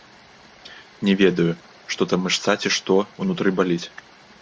Не ведаю, што там мышца ці што, унутры баліць.